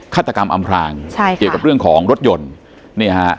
ฆาตกรรมอำพลางใช่ค่ะเกี่ยวกับเรื่องของรถยนต์นี่ฮะ